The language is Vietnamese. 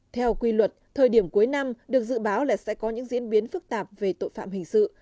theo quy luật thời điểm cuối năm được dự báo là sẽ có những diễn biến phức tạp về tội phạm hình sự